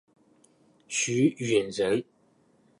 许允人。